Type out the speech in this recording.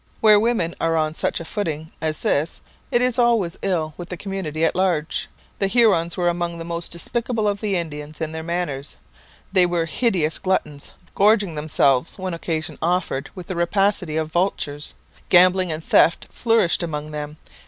Where women are on such a footing as this it is always ill with the community at large. The Hurons were among the most despicable of the Indians in their manners. They were hideous gluttons, gorging themselves when occasion offered with the rapacity of vultures. Gambling and theft flourished among them.